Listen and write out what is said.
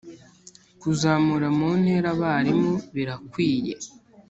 kuzamura mu ntera abarimu birakwiye